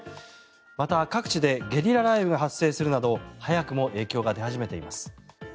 また、各地でゲリラ雷雨が発生するなど早くも影響が出始めています。